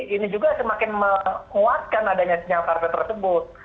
ini juga semakin menguatkan adanya senyap harga tersebut